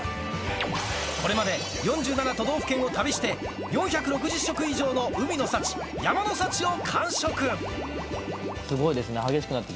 これまで４７都道府県を旅して、４６０食以上の海の幸、山の幸をすごいですね、激しくなって